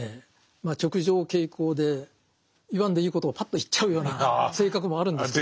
まあ直情径行で言わんでいいことをパッと言っちゃうような性格もあるんですけど。